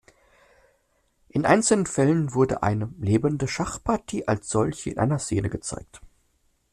In einzelnen Fällen wurde eine Lebende Schachpartie als solche in einer Szene gezeigt.